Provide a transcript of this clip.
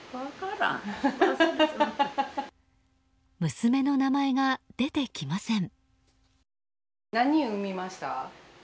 娘の名前が出てきません。